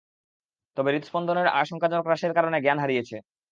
তবে হৃদস্পন্দনের আশংকাজনক হ্রাসের কারণে জ্ঞান হারিয়েছে।